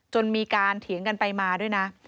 จนมีการเถียงกันไปมาด้วยนะ